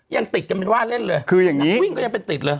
ยังติดกันเป็นว่าเล่นเลยคืออย่างนั้นวิ่งก็ยังเป็นติดเลย